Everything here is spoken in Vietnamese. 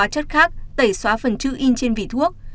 các loại thuốc khác tẩy xóa phần chữ in trên vỉ thuốc